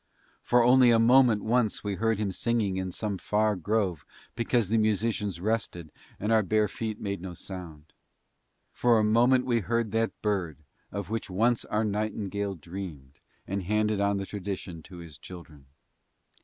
For only a moment once we heard him singing in some far grove because the musicians rested and our bare feet made no sound; for a moment we heard that bird of which once our nightingale dreamed and handed on the tradition to his children.